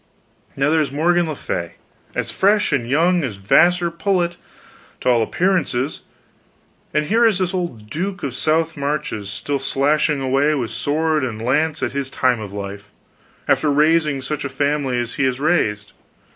Now there's Morgan le Fay, as fresh and young as a Vassar pullet, to all appearances, and here is this old duke of the South Marches still slashing away with sword and lance at his time of life, after raising such a family as he has raised.